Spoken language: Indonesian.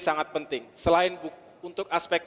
sangat penting selain untuk aspek